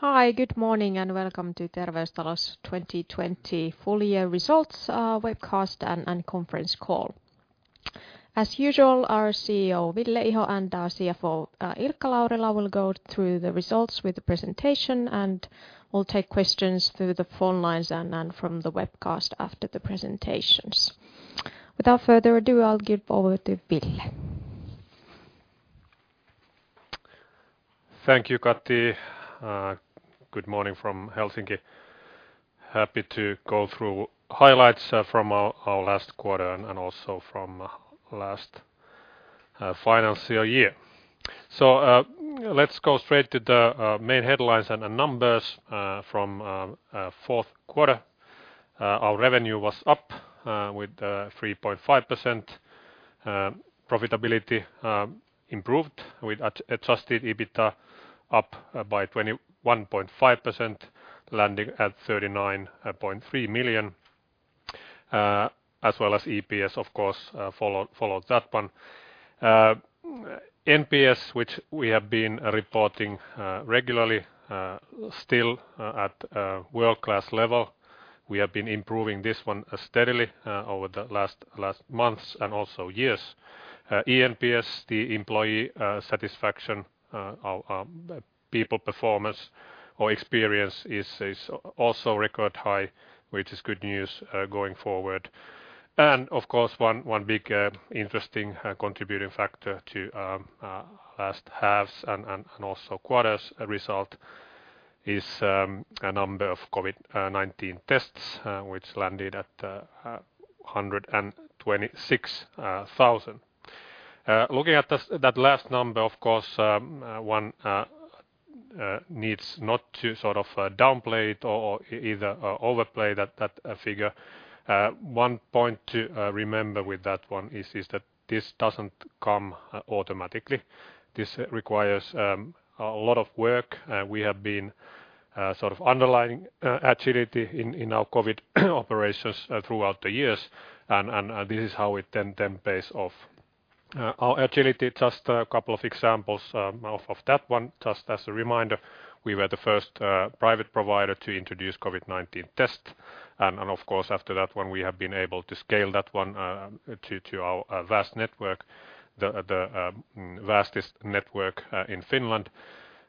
Hi, good morning. Welcome to Terveystalo's 2020 full year results webcast and conference call. As usual, our CEO, Ville Iho, and our CFO, Ilkka Laurila, will go through the results with the presentation. We'll take questions through the phone lines and from the webcast after the presentations. Without further ado, I'll give over to Ville. Thank you, Kati. Good morning from Helsinki. Happy to go through highlights from our last quarter and also from last financial year. Let's go straight to the main headlines and the numbers from fourth quarter. Our revenue was up with 3.5%. Profitability improved with adjusted EBITDA up by 21.5%, landing at 39.3 million, as well as EPS, of course, followed that one. NPS, which we have been reporting regularly, still at world-class level. We have been improving this one steadily over the last months and also years. eNPS, the employee satisfaction, our people performance or experience is also record high, which is good news going forward. Of course, one big interesting contributing factor to last halves and also quarters result is a number of COVID-19 tests, which landed at 126,000. Looking at that last number, of course, one needs not to sort of downplay it or either overplay that figure. One point to remember with that one is that this doesn't come automatically. This requires a lot of work. We have been sort of underlying agility in our COVID operations throughout the years, this is how it then pays off. Our agility, just a couple of examples off of that one, just as a reminder. We were the first private provider to introduce COVID-19 tests, of course, after that one, we have been able to scale that one to our vast network, the vastest network in Finland.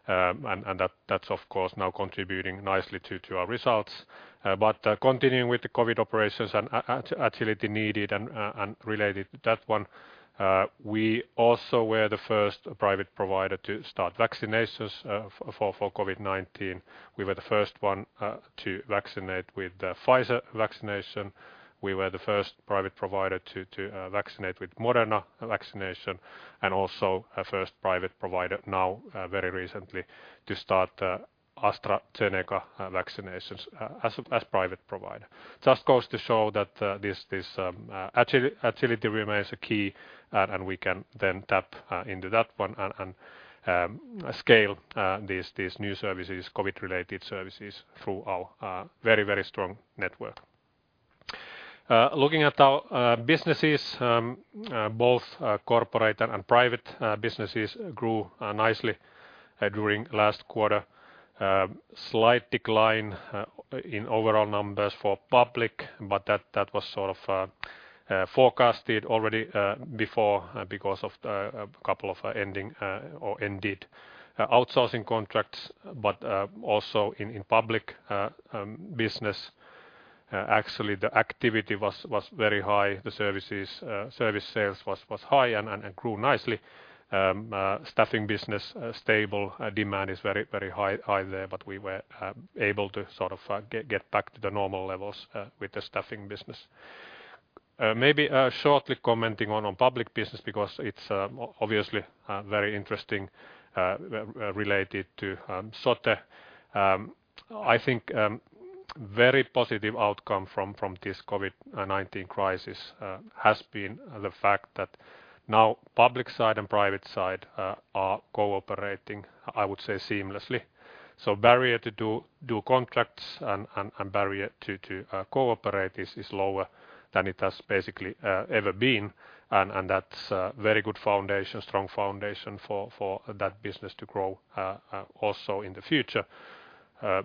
That's of course now contributing nicely to our results. Continuing with the COVID operations and agility needed and related to that one, we also were the first private provider to start vaccinations for COVID-19. We were the first one to vaccinate with the Pfizer vaccination. We were the first private provider to vaccinate with Moderna vaccination. Also first private provider now very recently to start AstraZeneca vaccinations as private provider. Just goes to show that this agility remains a key. We can then tap into that one and scale these new services, COVID-related services, through our very strong network. Looking at our businesses, both corporate and private businesses grew nicely during last quarter. Slight decline in overall numbers for public. That was sort of forecasted already before because of a couple of ending or ended outsourcing contracts. Also in public business, actually the activity was very high. The service sales was high and grew nicely. Staffing business stable. Demand is very high there. We were able to sort of get back to the normal levels with the staffing business. Maybe shortly commenting on public business because it's obviously very interesting related to SOTE. I think very positive outcome from this COVID-19 crisis has been the fact that now public side and private side are cooperating, I would say seamlessly. Barrier to do contracts and barrier to cooperate is lower than it has basically ever been, and that's a very good foundation, strong foundation for that business to grow also in the future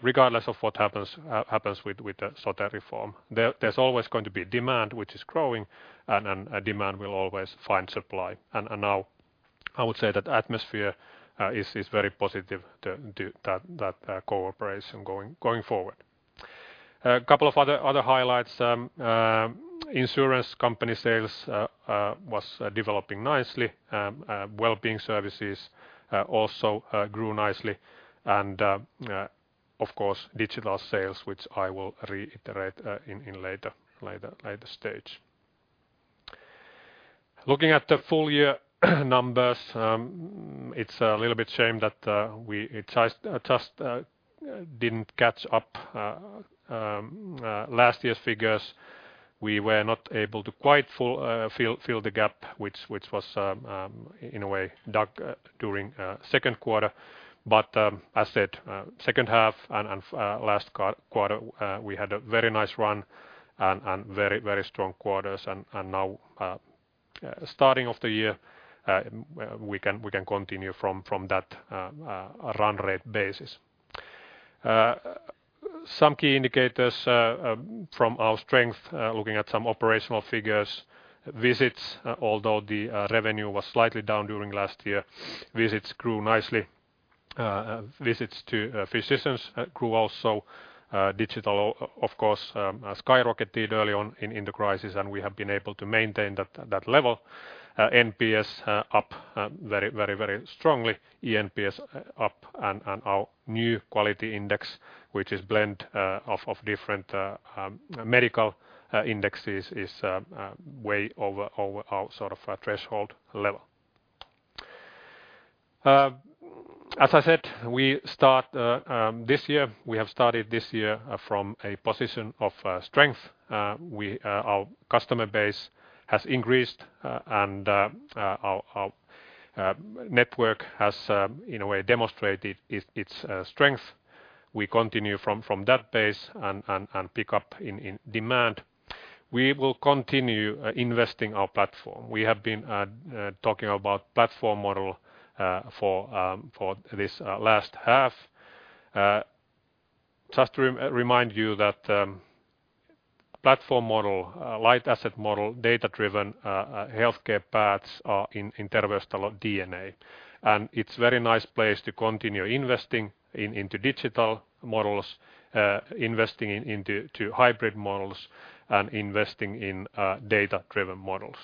regardless of what happens with the SOTE reform. There's always going to be demand which is growing, and demand will always find supply. Now I would say that atmosphere is very positive to that cooperation going forward. A couple of other highlights. Insurance company sales was developing nicely. Wellbeing services also grew nicely and, of course, digital sales, which I will reiterate in later stage. Looking at the full year numbers it's a little bit shame that we just didn't catch up last year's figures. We were not able to quite fill the gap which was in a way dug during second quarter, but as said, second half and last quarter we had a very nice run and very strong quarters, and now, starting of the year, we can continue from that run rate basis. Some key indicators from our strength looking at some operational figures. Visits, although the revenue was slightly down during last year, visits grew nicely. Visits to physicians grew also. Digital, of course, skyrocketed early on in the crisis, and we have been able to maintain that level. NPS up very strongly. eNPS up and our new quality index, which is blend of different medical indexes is way over our sort of threshold level. As I said, we have started this year from a position of strength. Our customer base has increased, and our network has, in a way, demonstrated its strength. We continue from that base and pick up in demand. We will continue investing our platform. We have been talking about platform model for this last half. Just to remind you that platform model, light asset model, data-driven healthcare paths are in Terveystalo DNA, and it's very nice place to continue investing into digital models, investing into hybrid models, and investing in data-driven models.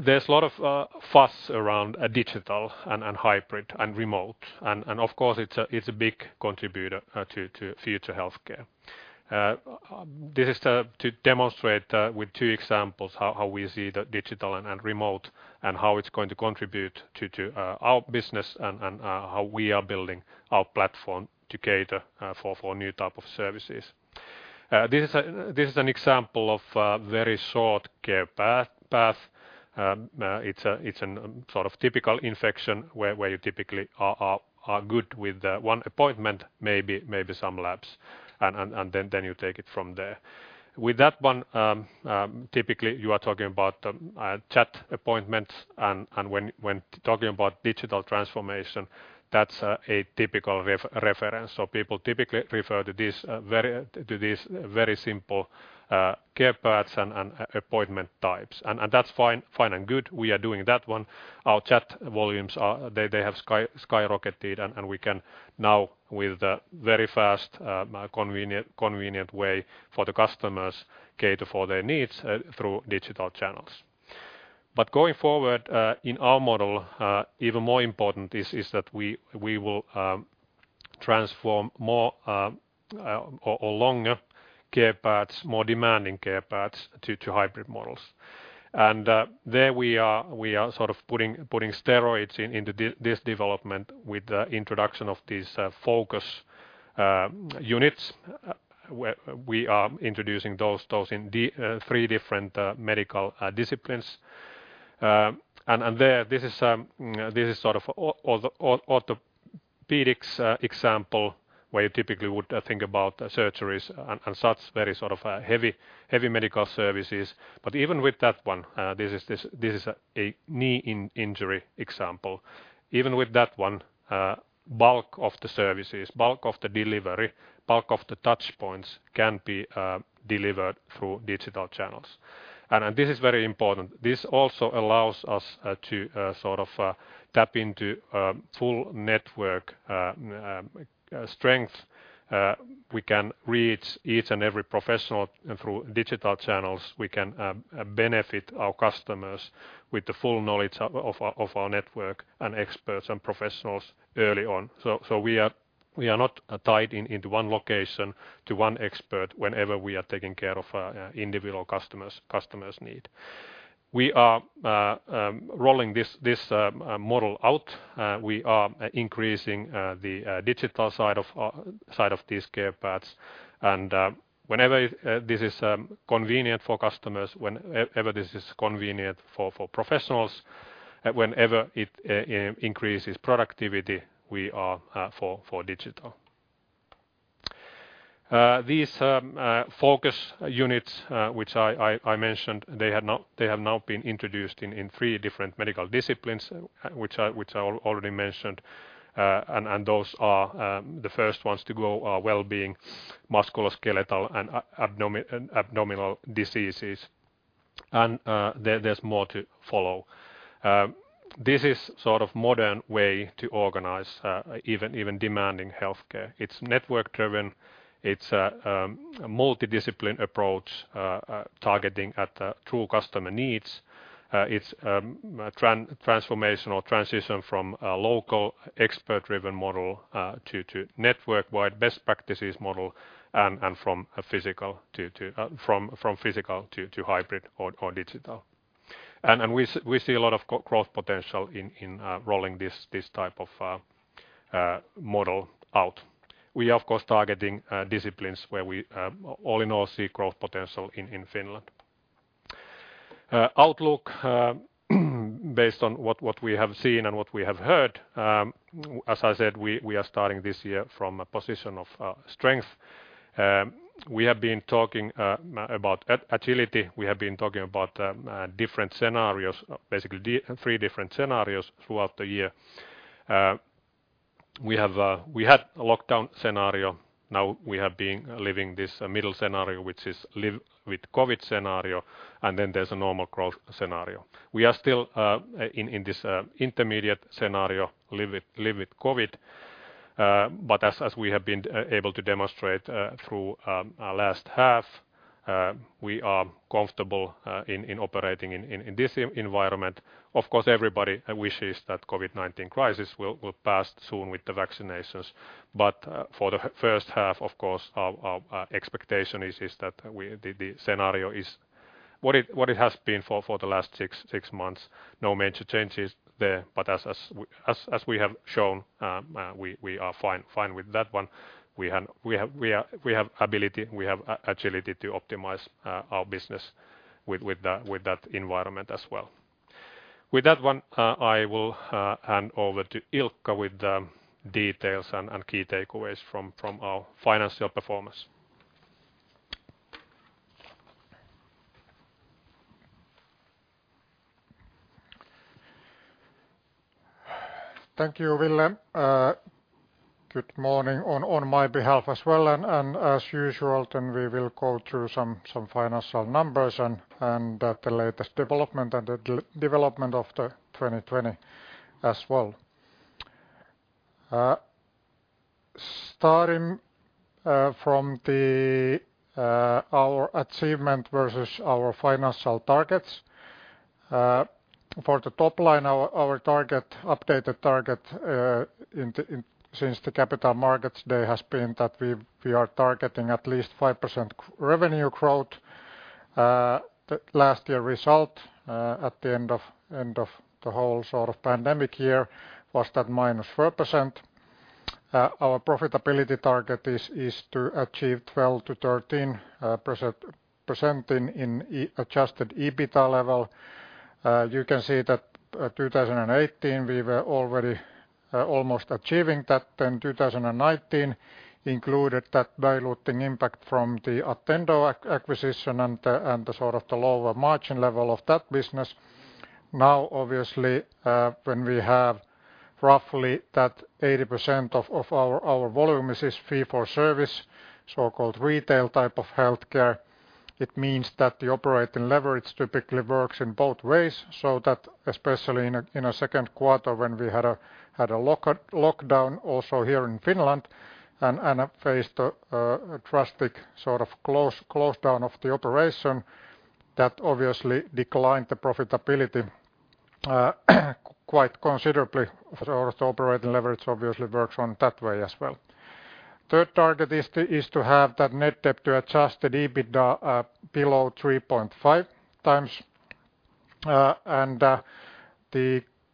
There's a lot of fuss around digital and hybrid and remote, and of course, it's a big contributor to future healthcare. This is to demonstrate with two examples how we see the digital and remote and how it's going to contribute to our business and how we are building our platform to cater for new type of services. This is an example of a very short care path. It's a sort of typical infection where you typically are good with one appointment, maybe some labs, and then you take it from there. With that one, typically you are talking about chat appointments, and when talking about digital transformation, that's a typical reference. People typically refer to these very simple care paths and appointment types, and that's fine and good. We are doing that one. Our chat volumes, they have skyrocketed, and we can now with very fast convenient way for the customers cater for their needs through digital channels. Going forward in our model even more important is that we will transform more or longer care paths, more demanding care paths to hybrid models. There we are sort of putting steroids into this development with the introduction of these focus units. We are introducing those in three different medical disciplines. This is sort of orthopedics example where you typically would think about surgeries and such very sort of heavy medical services. Even with that one this is a knee injury example. Even with that one bulk of the services, bulk of the delivery, bulk of the touch points can be delivered through digital channels. This is very important. This also allows us to sort of tap into full network strength. We can reach each and every professional through digital channels. We can benefit our customers with the full knowledge of our network and experts and professionals early on. We are not tied into one location to one expert whenever we are taking care of individual customers' need. We are rolling this model out. We are increasing the digital side of these care paths whenever this is convenient for customers, whenever this is convenient for professionals, whenever it increases productivity, we are for digital. These focus units which I mentioned they have now been introduced in three different medical disciplines which I already mentioned. Those are the first ones to go are wellbeing, musculoskeletal, and abdominal diseases, and there's more to follow. This is sort of modern way to organize even demanding healthcare. It's network driven. It's a multidiscipline approach targeting at the true customer needs. It's transformational transition from a local expert-driven model to network-wide best practices model and from physical to hybrid or digital. We see a lot of growth potential in rolling this type of model out. We are of course targeting disciplines where we all in all see growth potential in Finland. Outlook, based on what we have seen and what we have heard. As I said, we are starting this year from a position of strength. We have been talking about agility. We have been talking about different scenarios, basically three different scenarios throughout the year. We had a lockdown scenario. Now we have been living this middle scenario, which is live with COVID scenario, and then there's a normal growth scenario. We are still in this intermediate scenario, live with COVID, but as we have been able to demonstrate through last half, we are comfortable in operating in this environment. Of course, everybody wishes that COVID-19 crisis will pass soon with the vaccinations. For the first half, of course, our expectation is that the scenario is what it has been for the last six months. No major changes there, but as we have shown, we are fine with that one. We have agility to optimize our business with that environment as well. With that one, I will hand over to Ilkka with details and key takeaways from our financial performance. Thank you, Ville. Good morning on my behalf as well. As usual, we will go through some financial numbers and the latest development and the development of the 2020 as well. Starting from our achievement versus our financial targets. For the top line, our updated target since the Capital Markets Day has been that we are targeting at least 5% revenue growth. The last year result, at the end of the whole sort of pandemic year was that -4%. Our profitability target is to achieve 12%-13% in adjusted EBITDA level. You can see that 2018, we were already almost achieving that. 2019 included that diluting impact from the Attendo acquisition and the sort of the lower margin level of that business. Now, obviously, when we have roughly that 80% of our volume is this fee for service, so-called retail type of healthcare. It means that the operating leverage typically works in both ways, so that especially in a second quarter when we had a lockdown also here in Finland and faced a drastic sort of close down of the operation, that obviously declined the profitability quite considerably. Sort of the operating leverage obviously works on that way as well. Third target is to have that net debt to adjusted EBITDA below 3.5x.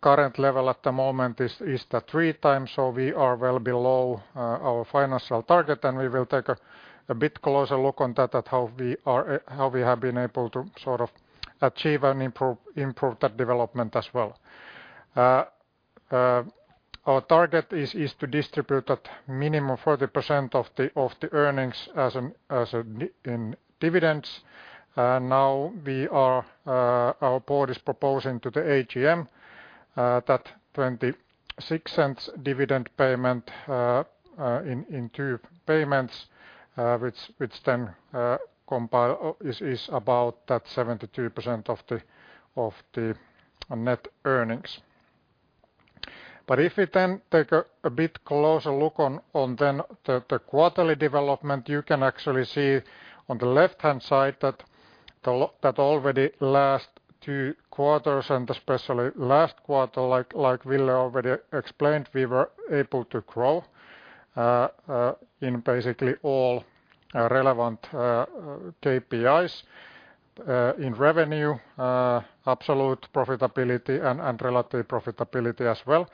The current level at the moment is the 3x. We are well below our financial target. We will take a bit closer look on that at how we have been able to sort of achieve and improve that development as well. Our target is to distribute at minimum 40% of the earnings in dividends. Our board is proposing to the AGM that 0.26 dividend payment in two payments which is about 72% of the net earnings. If we take a bit closer look on the quarterly development, you can actually see on the left-hand side that already last two quarters and especially last quarter, like Ville already explained, we were able to grow in basically all relevant KPIs, in revenue, absolute profitability, and relative profitability as well.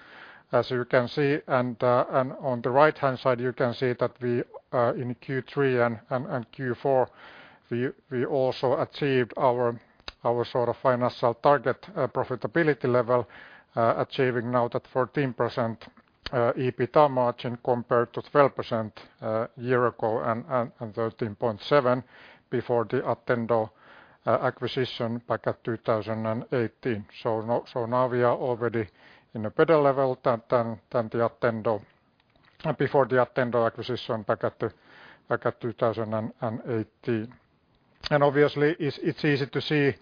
As you can see on the right-hand side, you can see that in Q3 and Q4, we also achieved our sort of financial target profitability level, achieving now that 14% EBITDA margin compared to 12% a year ago and 13.7% before the Attendo acquisition back at 2018. Now we are already in a better level before the Attendo acquisition back at 2018. Obviously, it's easy to see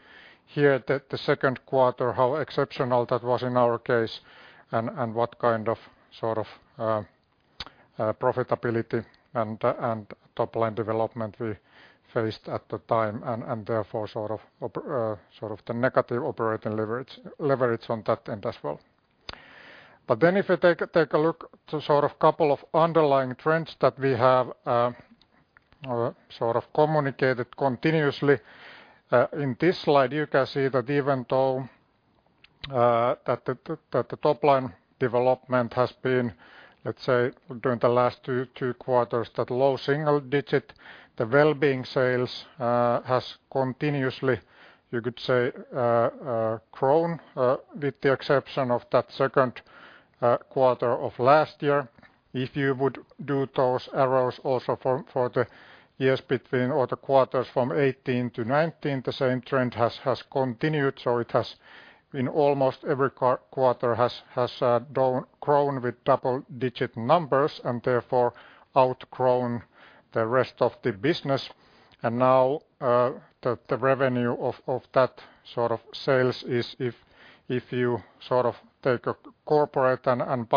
here that the second quarter, how exceptional that was in our case and what kind of sort of profitability and top-line development we faced at the time, and therefore sort of the negative operating leverage on that end as well. If you take a look to sort of couple of underlying trends that we have sort of communicated continuously. In this slide, you can see that even though that the top line development has been, let's say, during the last two quarters, that low single digit, the well-being sales has continuously, you could say, grown with the exception of that second quarter of last year. If you would do those arrows also for the years between or the quarters from 2018 to 2019, the same trend has continued. It has in almost every quarter has grown with double-digit numbers and therefore outgrown the rest of the business. Now the revenue of that sort of sales is if you sort of take a corporate and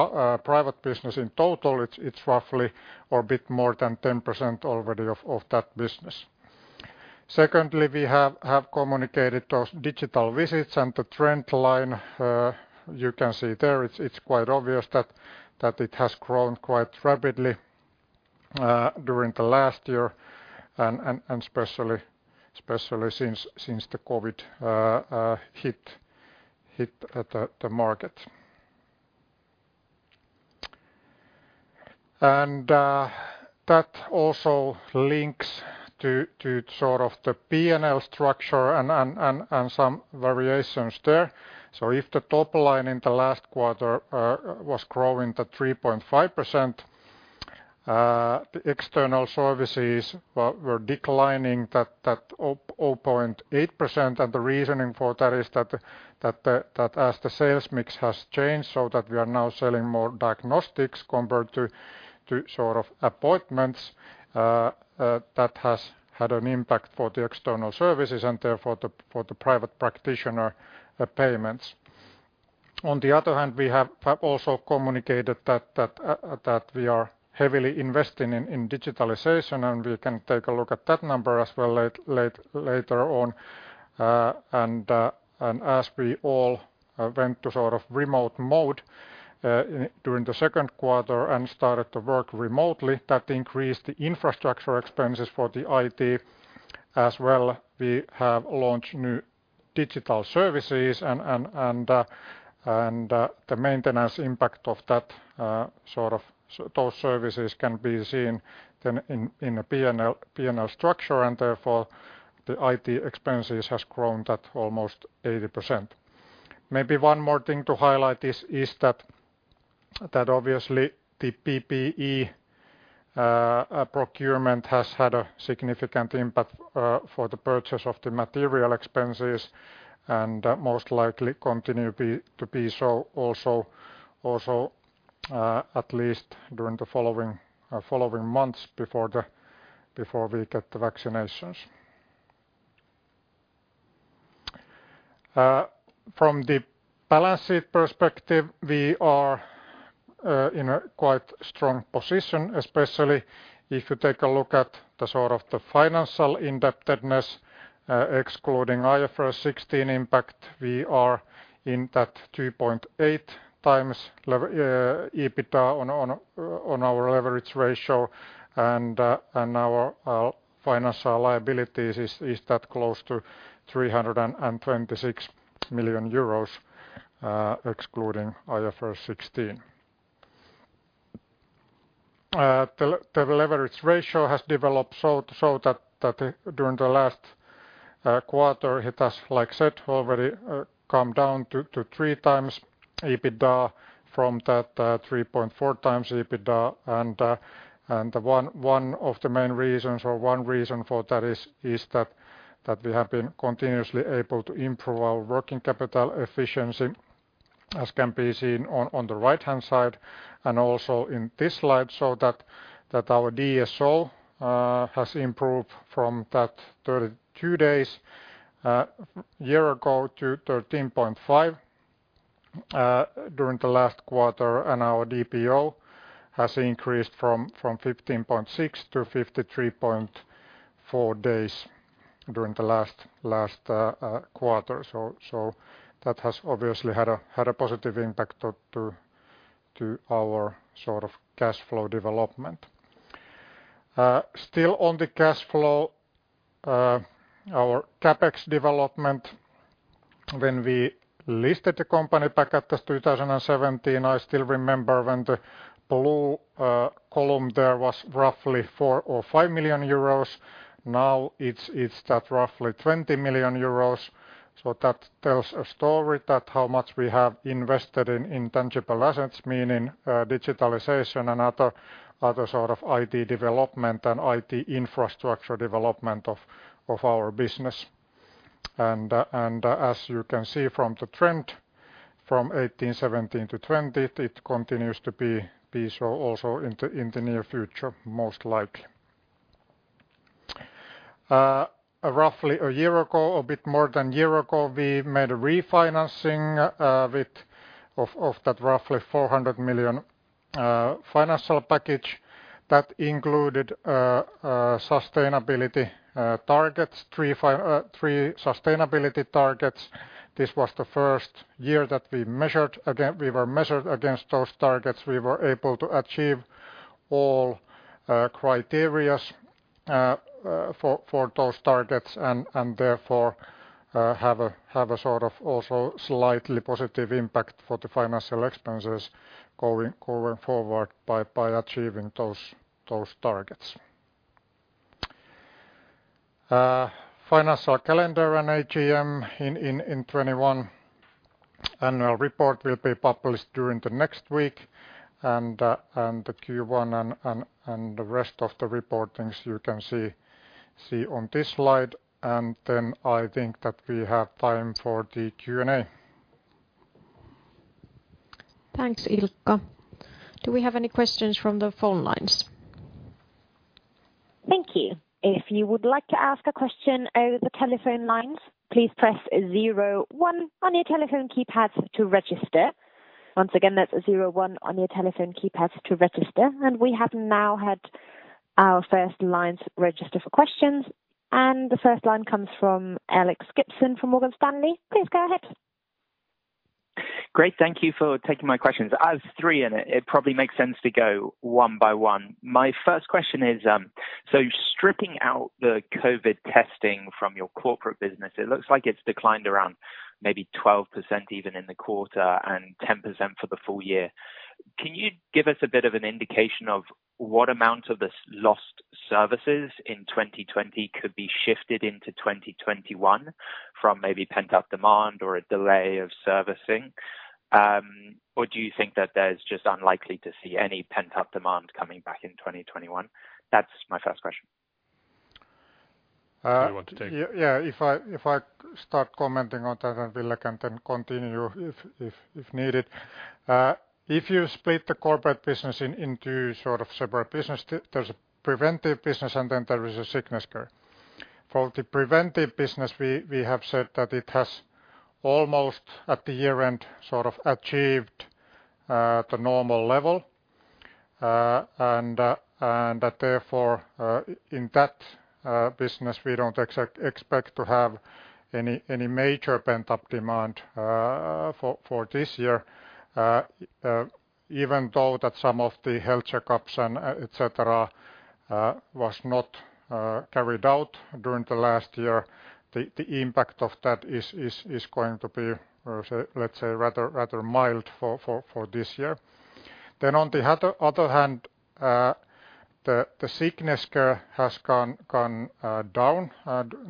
private business in total, it's roughly or a bit more than 10% already of that business. Secondly, we have communicated those digital visits and the trend line you can see there. It's quite obvious that it has grown quite rapidly during the last year and especially since the COVID-19 hit the market. That also links to sort of the P&L structure and some variations there. If the top line in the last quarter was growing to 3.5%, the external services were declining that 0.8%. The reasoning for that is that as the sales mix has changed so that we are now selling more diagnostics compared to sort of appointments that has had an impact for the external services and therefore for the private practitioner payments. On the other hand, we have also communicated that we are heavily investing in digitalization, and we can take a look at that number as well later on. As we all went to sort of remote mode during the second quarter and started to work remotely, that increased the infrastructure expenses for the IT as well. We have launched new digital services and the maintenance impact of those services can be seen then in the P&L structure and therefore the IT expenses has grown at almost 80%. Maybe one more thing to highlight is that obviously the PPE procurement has had a significant impact for the purchase of the material expenses and most likely continue to be so also at least during the following months before we get the vaccinations. From the balance sheet perspective, we are in a quite strong position, especially if you take a look at the sort of the financial indebtedness excluding IFRS 16 impact. We are in that 2.8x EBITDA on our leverage ratio. Our financial liabilities is that close to 326 million euros excluding IFRS 16. The leverage ratio has developed so that during the last quarter it has, like I said, already come down to 3x EBITDA from that 3.4x EBITDA. One of the main reasons or one reason for that is that we have been continuously able to improve our working capital efficiency as can be seen on the right-hand side and also in this slide so that our DSO has improved from that 32 days a year ago to 13.5 during the last quarter, and our DPO has increased from 15.6 to 53.4 days during the last quarter. That has obviously had a positive impact to our sort of cash flow development. Still on the cash flow, our CapEx development when we listed the company back at 2017, I still remember when the blue column there was roughly 4 million or 5 million euros. Now it's that roughly 20 million euros. That tells a story that how much we have invested in tangible assets, meaning digitalization and other sort of IT development and IT infrastructure development of our business. As you can see from the trend from 2018, 2017-2020, it continues to be so also in the near future, most likely. Roughly a year ago, a bit more than a year ago, we made a refinancing of that roughly 400 million financial package that included sustainability targets, three sustainability targets. This was the first year that we were measured against those targets. We were able to achieve all criteria for those targets and therefore have a sort of also slightly positive impact for the financial expenses going forward by achieving those targets. Financial calendar and AGM in 2021 annual report will be published during the next week, and the Q1 and the rest of the reportings you can see on this slide, and then I think that we have time for the Q&A. Thanks, Ilkka. Do we have any questions from the phone lines? Thank you. If you would like to ask a question over the telephone lines, please press zero one on your telephone keypads to register. Once again, that's zero one on your telephone keypads to register. We have now had our first lines register for questions, and the first line comes from Alex Gibson from Morgan Stanley. Please go ahead. Great. Thank you for taking my questions. I have three. It probably makes sense to go one by one. My first question is, stripping out the COVID-19 testing from your corporate business, it looks like it's declined around maybe 12% even in the quarter and 10% for the full year. Can you give us a bit of an indication of what amount of this lost services in 2020 could be shifted into 2021 from maybe pent-up demand or a delay of servicing? Do you think that there's just unlikely to see any pent-up demand coming back in 2021? That's my first question. Do you want to take? Yeah, if I start commenting on that, Ville can then continue if needed. If you split the corporate business into sort of separate business, there's a preventive business and there is a sickness care. For the preventive business, we have said that it has almost, at the year-end, sort of achieved the normal level. Therefore, in that business, we don't expect to have any major pent-up demand for this year. Even though that some of the health checkups and etcetera was not carried out during the last year, the impact of that is going to be, let's say, rather mild for this year. On the other hand, the sickness care has gone down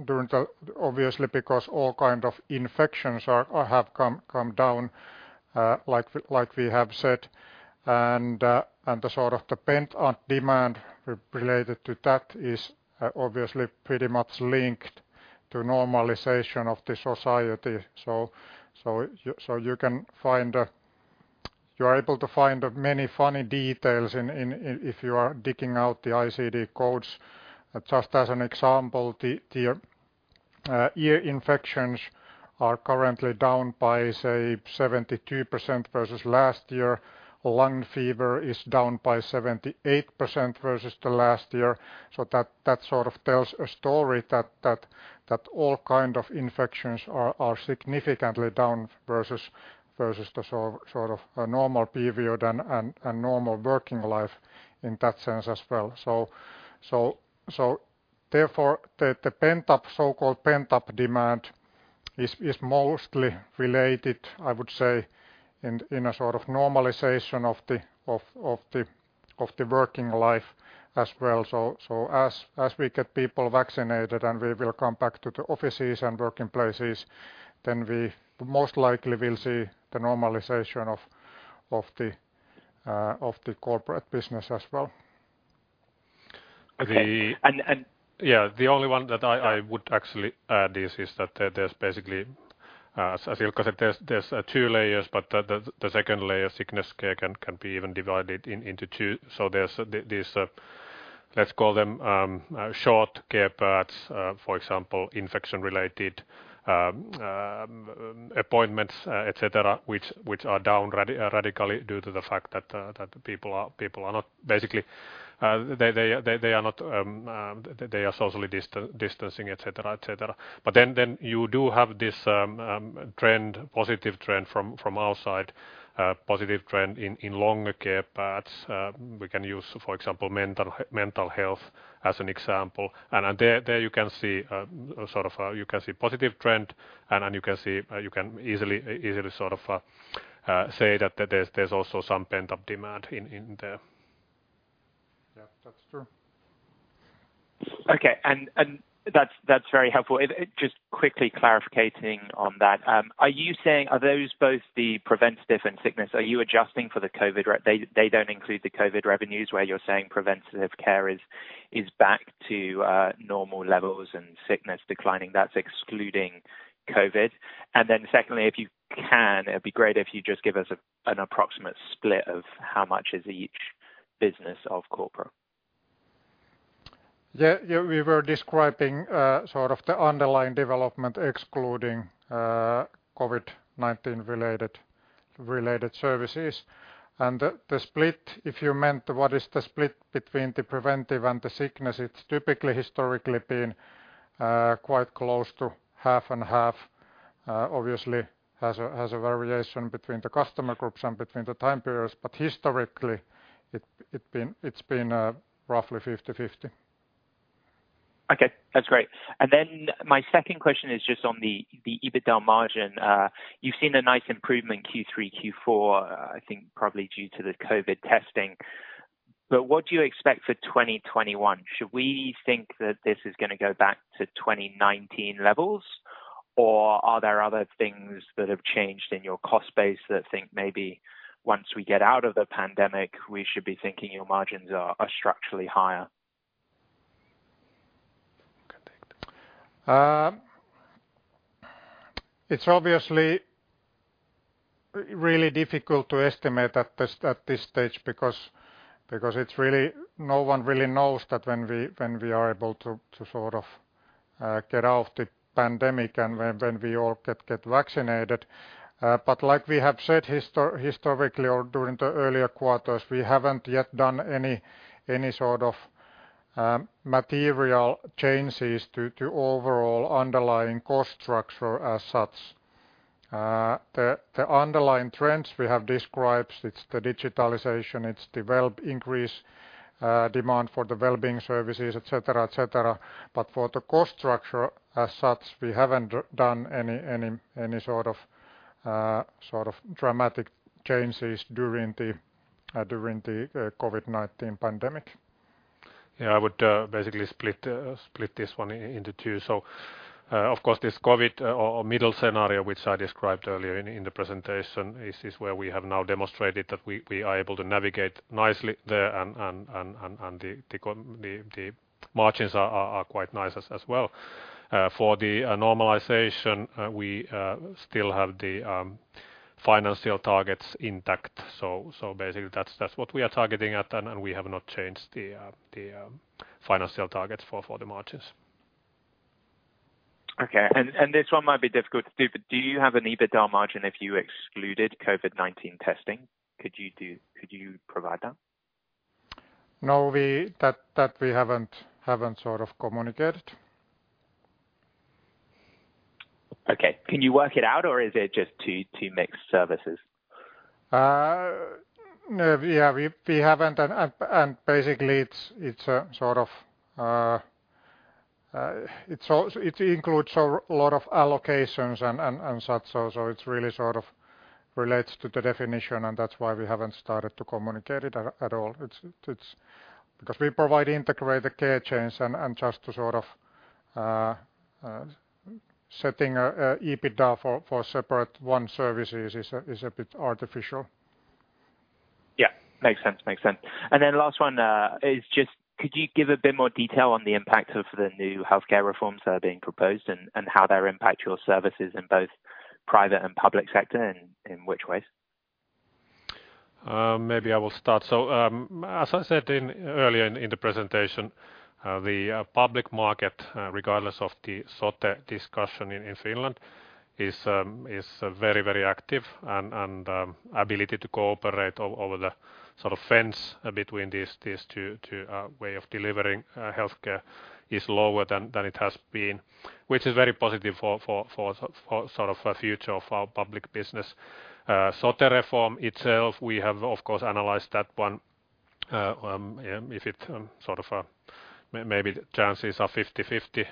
during the, obviously, because all kind of infections have come down, like we have said. The sort of the pent-up demand related to that is obviously pretty much linked to normalization of the society. You're able to find many funny details if you are digging out the ICD codes. Just as an example, the ear infections are currently down by, say, 72% versus last year. Lung fever is down by 78% versus the last year. That sort of tells a story that all kind of infections are significantly down versus the sort of normal period and normal working life in that sense as well. Therefore, the so-called pent-up demand is mostly related, I would say, in a sort of normalization of the working life as well. As we get people vaccinated, and we will come back to the offices and working places, then we most likely will see the normalization of the corporate business as well. Okay. The only one that I would actually add is that there's basically, as Ilkka said, there's two layers, the second layer, sickness care can be even divided into two. There's these, let's call them short care paths, for example, infection-related appointments, etcetera, which are down radically due to the fact that people are not basically they are socially distancing, etcetera. Then you do have this positive trend from our side, a positive trend in longer care paths. We can use, for example, mental health as an example. There you can see a positive trend, and you can easily sort of say that there's also some pent-up demand in there. Yeah, that's true. Okay. That's very helpful. Just quickly clarification on that. Are you saying are those both the preventative and sickness, are you adjusting for the COVID? They don't include the COVID revenues where you're saying preventative care is back to normal levels and sickness declining. That's excluding COVID. Secondly, if you can, it'd be great if you just give us an approximate split of how much is each business of corporate? Yeah. We were describing sort of the underlying development excluding COVID-19 related services. The split, if you meant what is the split between the preventive and the sickness, it's typically historically been quite close to half and half. Obviously has a variation between the customer groups and between the time periods, but historically, it's been roughly 50/50. Okay. That's great. My second question is just on the EBITDA margin. You've seen a nice improvement, Q3, Q4, I think probably due to the COVID-19 testing. What do you expect for 2021? Should we think that this is going to go back to 2019 levels, or are there other things that have changed in your cost base that think maybe once we get out of the pandemic, we should be thinking your margins are structurally higher? It's obviously really difficult to estimate at this stage because no one really knows when we are able to sort of get out of the pandemic and when we all get vaccinated. Like we have said historically or during the earlier quarters, we haven't yet done any sort of material changes to overall underlying cost structure as such, as the underlying trends we have described, it's the digitalization, it's the increased demand for the wellbeing services, et cetera. For the cost structure as such, we haven't done any sort of dramatic changes during the COVID-19 pandemic. Yeah, I would basically split this one into two. Of course, this COVID-19 or middle scenario, which I described earlier in the presentation, is where we have now demonstrated that we are able to navigate nicely there and the margins are quite nice as well. For the normalization, we still have the financial targets intact. Basically, that's what we are targeting at, and we have not changed the financial targets for the margins. Okay. This one might be difficult, too, but do you have an EBITDA margin if you excluded COVID-19 testing? Could you provide that? No, that we haven't sort of communicated. Okay. Can you work it out or is it just too mixed services? Yeah, we haven't and basically it includes a lot of allocations and such, so it's really sort of relates to the definition, and that's why we haven't started to communicate it at all. We provide integrated care chains and just to sort of setting EBITDA for separate one service is a bit artificial. Yeah. Makes sense. Last one is just could you give a bit more detail on the impact of the new healthcare reforms that are being proposed and how they impact your services in both private and public sector, and in which ways? Maybe I will start. As I said earlier in the presentation, the public market, regardless of the SOTE discussion in Finland, is very active and ability to cooperate over the sort of fence between these two way of delivering healthcare is lower than it has been, which is very positive for sort of future of our public business. SOTE reform itself, we have, of course, analyzed that one. Maybe the chances are 50/50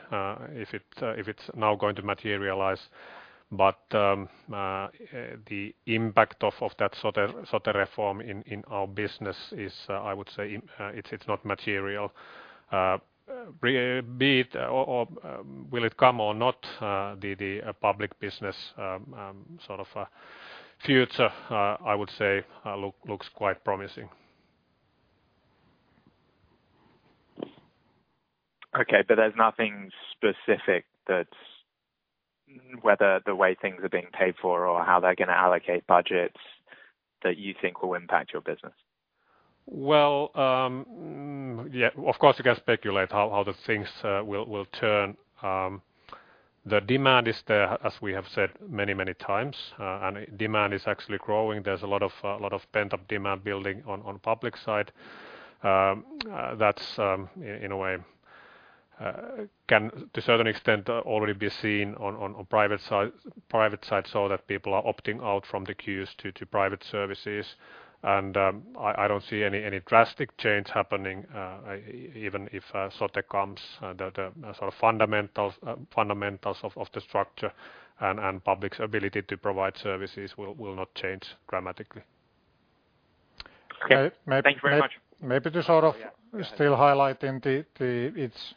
if it's now going to materialize. The impact of that SOTE reform in our business is, I would say, it's not material. Will it come or not, the public business sort of future, I would say looks quite promising. Okay. There's nothing specific that whether the way things are being paid for or how they're going to allocate budgets that you think will impact your business? Well, of course, you can speculate how the things will turn. The demand is there, as we have said many times, and demand is actually growing. There's a lot of pent-up demand building on public side. That's in a way can, to a certain extent, already be seen on private side so that people are opting out from the queues to private services. I don't see any drastic change happening even if SOTE comes, the sort of fundamentals of the structure and public's ability to provide services will not change dramatically. Okay. Thank you very much. Maybe to sort of still highlighting its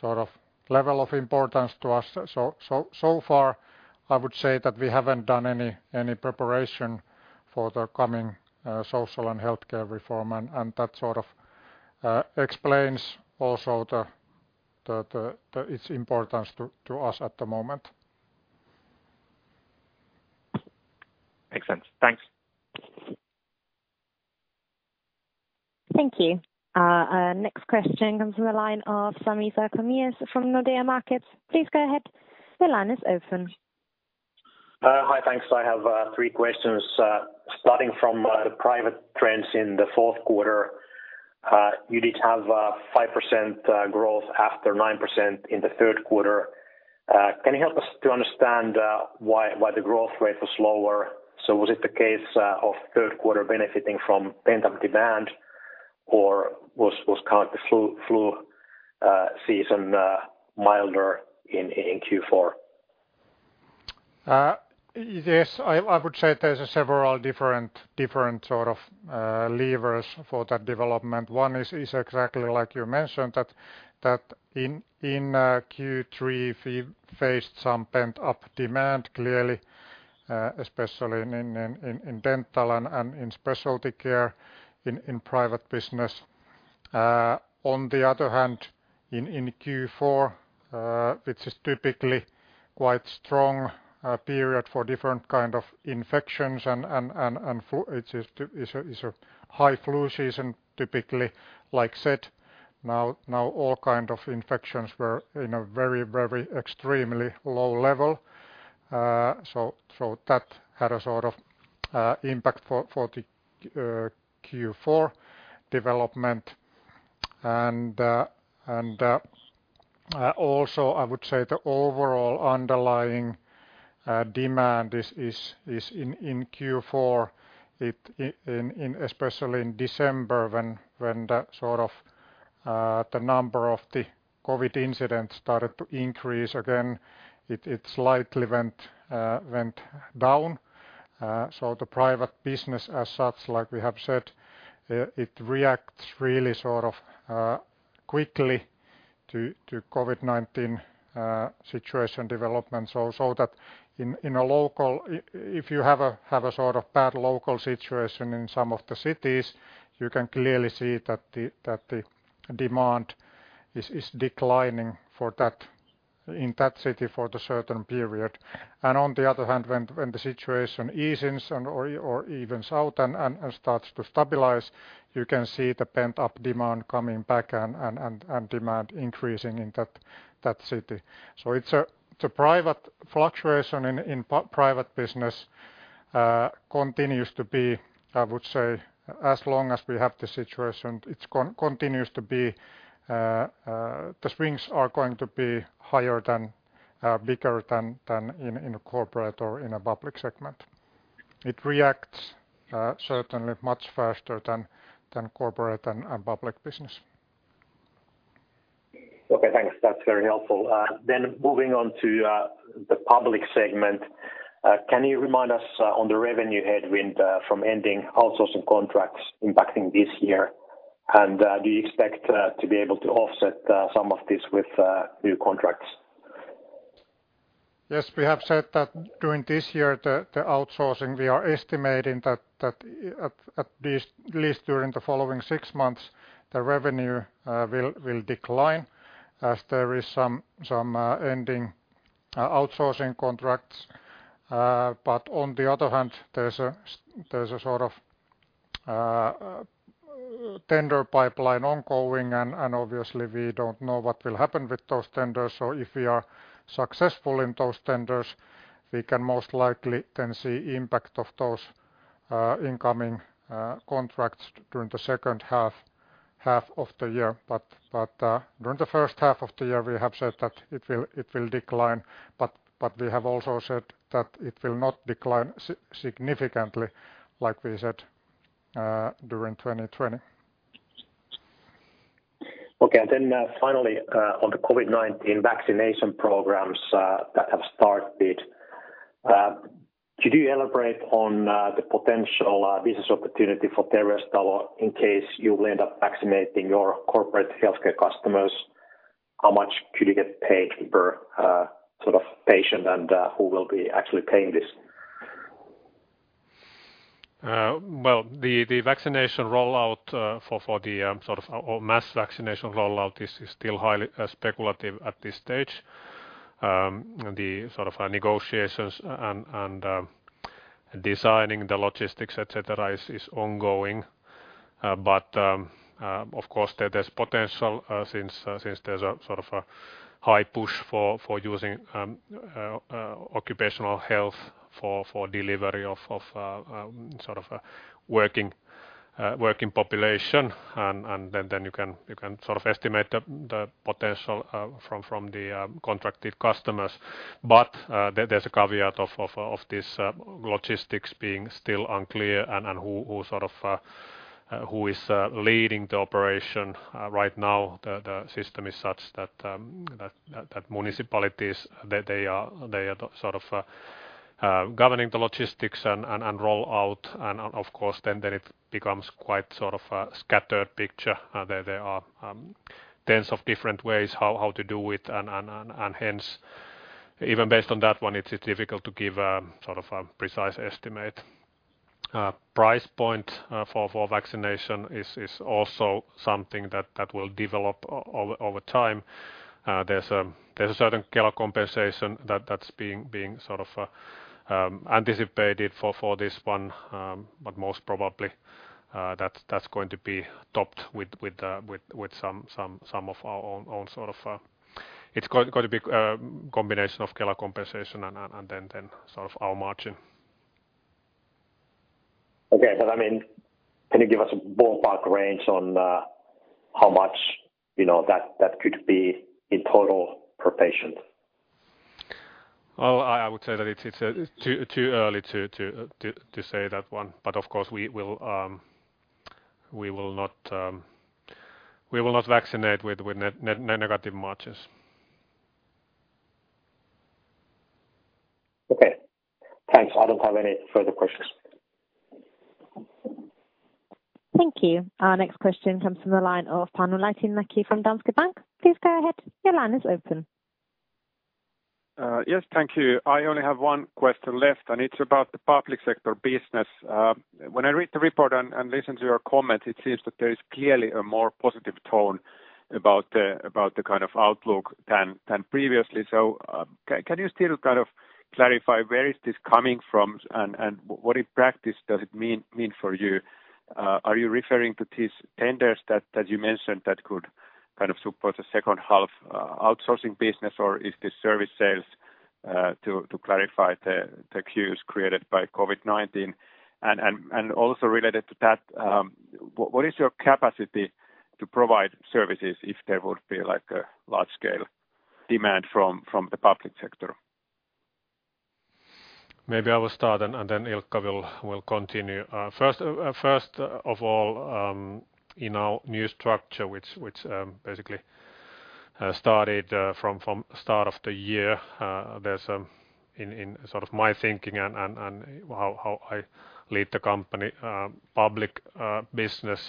sort of level of importance to us, so far, I would say that we haven't done any preparation for the coming social and healthcare reform, and that sort of explains also its importance to us at the moment. Makes sense. Thanks. Thank you. Next question comes from the line of Sami Sarkamies from Nordea Markets. Please go ahead. The line is open. Hi, thanks. I have three questions. Starting from the private trends in the fourth quarter. You did have 5% growth after 9% in the third quarter. Can you help us to understand why the growth rate was slower? Was it the case of third quarter benefiting from pent-up demand or was kind of the flu season milder in Q4? I would say there's several different sort of levers for that development. One is exactly like you mentioned that in Q3, we faced some pent-up demand clearly, especially in dental and in specialty care in private business. On the other hand, in Q4, which is typically quite strong period for different kind of infections and it's a high flu season, typically, like I said, now all kind of infections were in a very extremely low level. That had a sort of impact for the Q4 development. Also I would say the overall underlying demand is in Q4, especially in December when the sort of the number of the COVID-19 incidents started to increase again, it slightly went down. The private business as such like we have said, it reacts really sort of quickly to COVID-19 situation development. That in a local, if you have a sort of bad local situation in some of the cities, you can clearly see that the demand is declining in that city for the certain period. On the other hand when the situation easens or evens out and starts to stabilize, you can see the pent-up demand coming back and demand increasing in that city. Fluctuation in private business continues to be, I would say, as long as we have the situation, the swings are going to be bigger than in a corporate or in a public segment. It reacts certainly much faster than corporate and public business. Okay, thanks. That's very helpful. Moving on to the public segment. Can you remind us on the revenue headwind from ending outsourcing contracts impacting this year? Do you expect to be able to offset some of this with new contracts? Yes, we have said that during this year the outsourcing we are estimating that at least during the following six months, the revenue will decline as there is some ending outsourcing contracts. On the other hand, there's a sort of tender pipeline ongoing and obviously we don't know what will happen with those tenders. If we are successful in those tenders, we can most likely then see impact of those incoming contracts during the second half of the year. During the first half of the year, we have said that it will decline, but we have also said that it will not decline significantly like we said during 2020. Okay. Finally, on the COVID-19 vaccination programs that have started, could you elaborate on the potential business opportunity for Terveystalo in case you will end up vaccinating your corporate healthcare customers? How much could you get paid per sort of patient and who will be actually paying this? Well, the vaccination rollout for the sort of mass vaccination rollout is still highly speculative at this stage. Of course there's potential since there's a sort of a high push for using occupational health for delivery of sort of working population and then you can sort of estimate the potential from the contracted customers. There's a caveat of this logistics being still unclear and who is leading the operation right now the system is such that municipalities they are the sort of governing the logistics and rollout and of course then it becomes quite sort of a scattered picture there are tens of different ways how to do it and hence even based on that one it's difficult to give sort of a precise estimate. Price point for vaccination is also something that will develop over time. There's a certain Kela compensation that's being sort of anticipated for this one. Most probably that's going to be topped with some of our own. It's going to be a combination of Kela compensation and then sort of our margin. Okay. Can you give us a ballpark range on how much that could be in total per patient? I would say that it's too early to say that one. Of course, we will not vaccinate with negative margins. Okay, thanks. I don't have any further questions. Thank you. Our next question comes from the line of Panu Laitinmäki from Danske Bank. Please go ahead. Your line is open. Yes, thank you. I only have one question left, and it's about the public sector business. When I read the report and listen to your comments, it seems that there is clearly a more positive tone about the kind of outlook than previously. Can you still kind of clarify where is this coming from and what in practice does it mean for you? Are you referring to these tenders that you mentioned that could kind of support the second half outsourcing business, or is this service sales to clarify the queues created by COVID-19? Also related to that, what is your capacity to provide services if there would be a large-scale demand from the public sector? Maybe I will start and then Ilkka will continue. First of all, in our new structure, which basically started from start of the year there's in sort of my thinking and how I lead the company, public business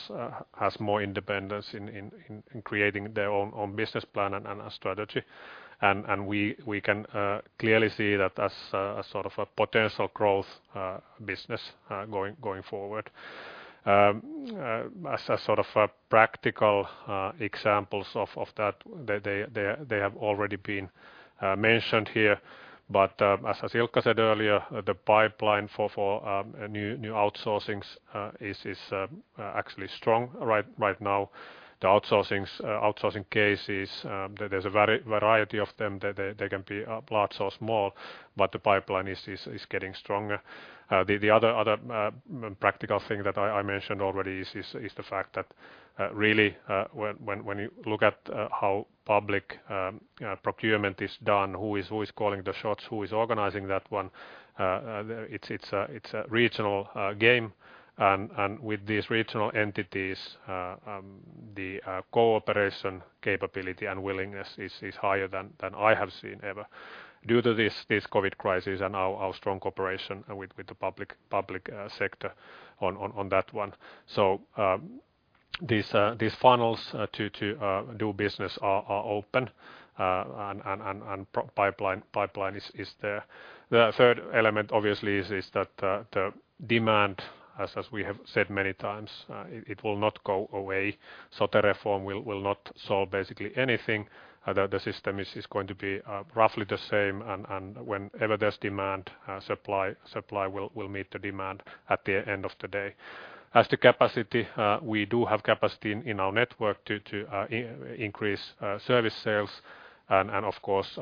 has more independence in creating their own business plan and strategy. We can clearly see that as a sort of a potential growth business going forward. As a sort of practical examples of that, they have already been mentioned here, but as Ilkka said earlier, the pipeline for new outsourcings is actually strong right now. The outsourcing cases there's a variety of them. They can be large or small. The pipeline is getting stronger. The other practical thing that I mentioned already is the fact that really when you look at how public procurement is done, who is calling the shots, who is organizing that one, it's a regional game. With these regional entities, the cooperation capability and willingness is higher than I have seen ever due to this COVID-19 crisis and our strong cooperation with the public sector on that one. These funnels to do business are open and pipeline is there. The third element obviously is that the demand, as we have said many times it will not go away. SOTE reform will not solve basically anything. The system is going to be roughly the same, and whenever there's demand, supply will meet the demand at the end of the day. As to capacity, we do have capacity in our network to increase service sales and of course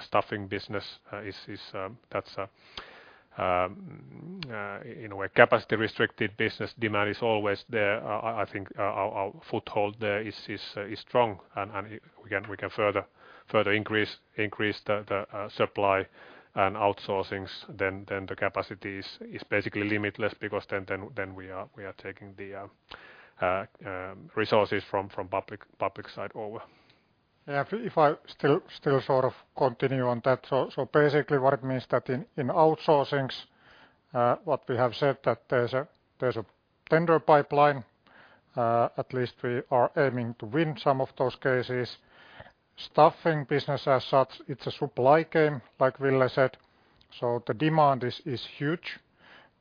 staffing business that's a capacity-restricted business. Demand is always there. I think our foothold there is strong, and we can further increase the supply and outsourcings then the capacity is basically limitless because then we are taking the resources from public side over. If I still sort of continue on that. Basically what it means is that in outsourcings, what we have said that there's a tender pipeline. At least we are aiming to win some of those cases. Staffing business as such, it's a supply game, like Ville said. The demand is huge.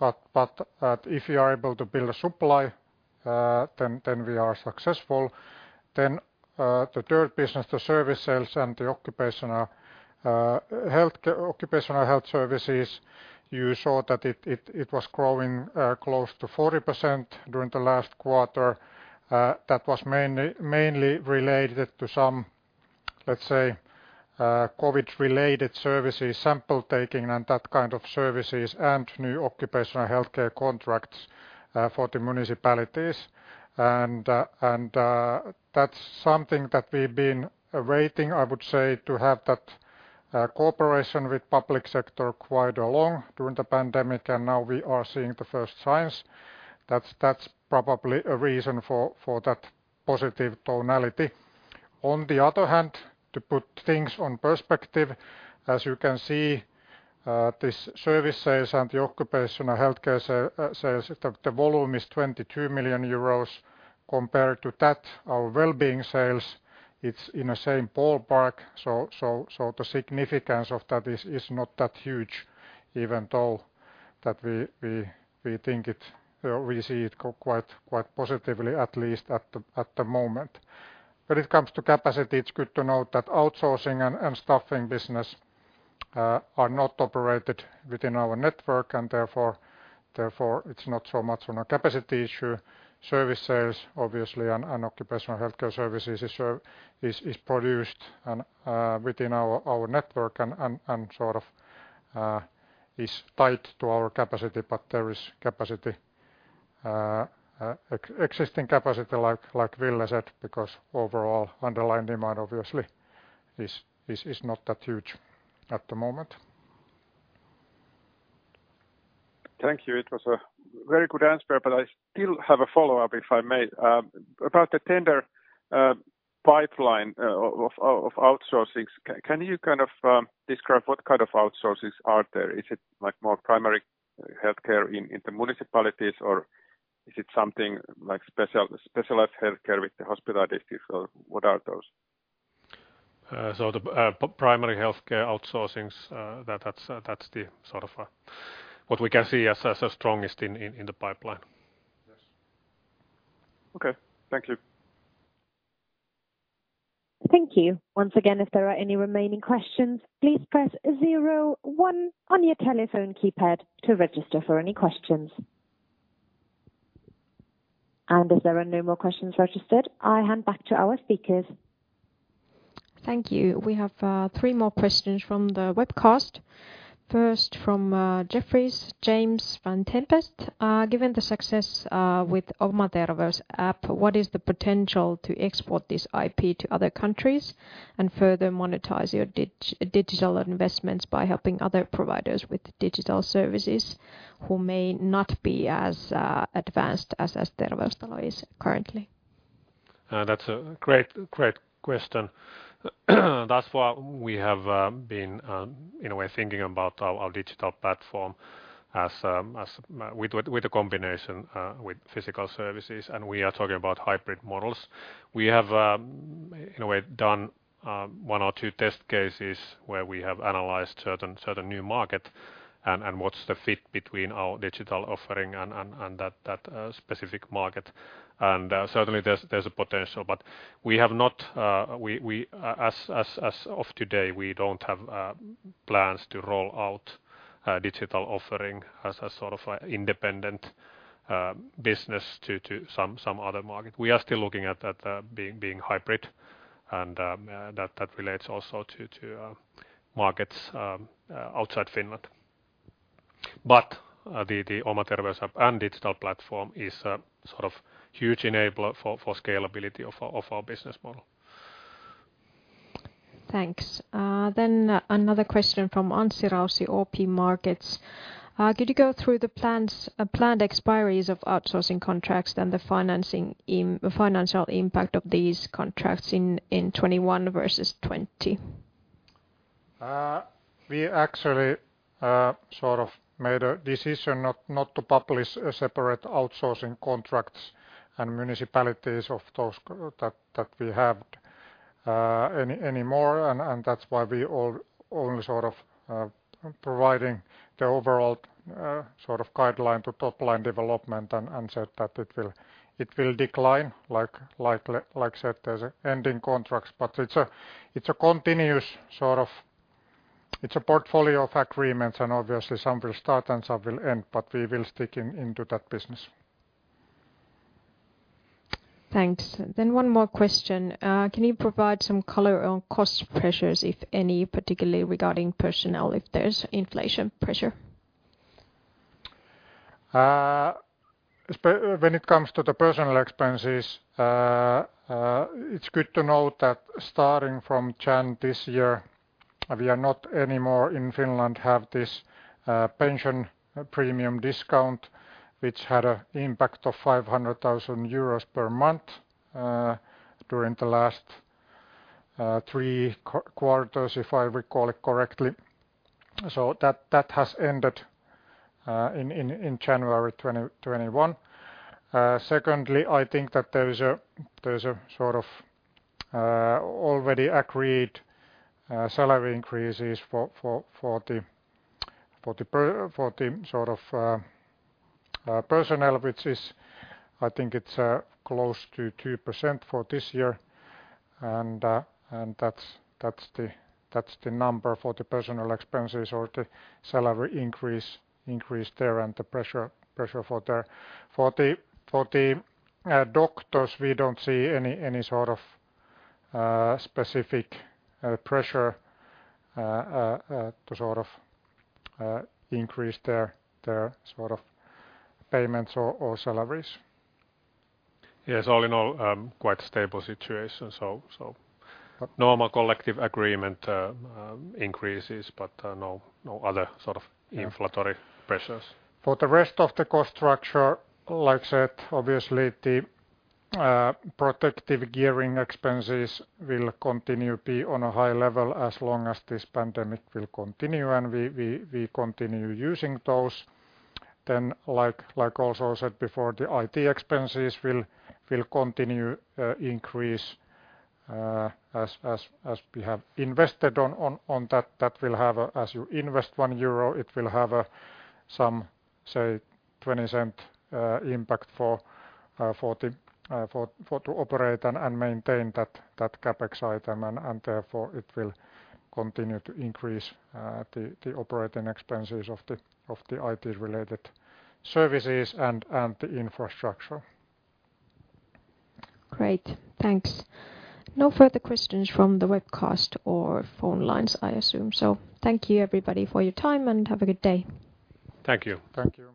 If you are able to build a supply we are successful. The third business, the service sales and the occupational health services, you saw that it was growing close to 40% during the last quarter. That was mainly related to some, let's say COVID-related services, sample taking and that kind of services, and new occupational healthcare contracts for the municipalities. That's something that we've been awaiting, I would say, to have that cooperation with public sector quite a long during the pandemic, and now we are seeing the first signs. That's probably a reason for that positive tonality. On the other hand, to put things in perspective, as you can see this service sales and the occupational health care sales, the volume is 22 million euros compared to that our well-being sales, it's in the same ballpark. The significance of that is not that huge, even though that we see it quite positively, at least at the moment. When it comes to capacity, it's good to note that outsourcing and staffing business are not operated within our network and therefore it's not so much on a capacity issue. Service sales obviously and occupational health care services is produced within our network and sort of is tied to our capacity, but there is existing capacity like Ville said, because overall underlying demand obviously is not that huge at the moment. Thank you. It was a very good answer. I still have a follow-up, if I may. About the tender pipeline of outsourcing, can you kind of describe what kind of outsourcing are there? Is it more primary healthcare in the municipalities, or is it something like specialized healthcare with the hospital district, or what are those? The primary healthcare outsourcing, that's what we can see as the strongest in the pipeline. Yes. Okay. Thank you. Thank you. Once again, if there are any remaining questions, please press zero one on your telephone keypad to register for any questions. If there are no more questions registered, I hand back to our speakers. Thank you. We have three more questions from the webcast. First from Jefferies, James Vane-Tempest. Given the success with Oma Terveys app, what is the potential to export this IP to other countries and further monetize your digital investments by helping other providers with digital services who may not be as advanced as Terveystalo is currently? That's a great question. We have been in a way thinking about our digital platform with a combination with physical services, and we are talking about hybrid models. We have in a way done one or two test cases where we have analyzed certain new market and what's the fit between our digital offering and that specific market. Certainly there's a potential, but as of today, we don't have plans to roll out digital offering as a sort of independent business to some other market. We are still looking at that being hybrid, and that relates also to markets outside Finland. The Oma Terveys app and digital platform is a sort of huge enabler for scalability of our business model. Thanks. Another question from Anssi Raussi, OP Markets. Could you go through the planned expiries of outsourcing contracts and the financial impact of these contracts in 2021 versus 2020? We actually sort of made a decision not to publish separate outsourcing contracts and municipalities of those that we have anymore. That's why we only sort of providing the overall sort of guideline to top-line development and said that it will decline, like I said, there's ending contracts. It's a portfolio of agreements and obviously some will start and some will end, but we will stick into that business. Thanks. One more question. Can you provide some color on cost pressures, if any, particularly regarding personnel, if there's inflation pressure? When it comes to the personnel expenses, it's good to note that starting from January this year, we are not anymore in Finland have this pension premium discount, which had an impact of 500,000 euros per month during the last three quarters, if I recall it correctly. That has ended in January 2021. Secondly, I think that there's a sort of already agreed salary increases for the sort of personnel, which is, I think it's close to 2% for this year, and that's the number for the personnel expenses or the salary increase there and the pressure for there. For the doctors, we don't see any sort of specific pressure to sort of increase their sort of payments or salaries. Yes. All in all, quite stable situation, so normal collective agreement increases, but no other inflationary pressures. For the rest of the cost structure, like I said, obviously the protective gear expenses will continue to be on a high level as long as this pandemic will continue and we continue using those. Like I also said before, the IT expenses will continue increase as we have invested on that. As you invest 1 euro, it will have some, say, 0.20 impact to operate and maintain that CapEx item, and therefore, it will continue to increase the operating expenses of the IT-related services and the infrastructure. Great. Thanks. No further questions from the webcast or phone lines, I assume. Thank you everybody for your time and have a good day. Thank you. Thank you.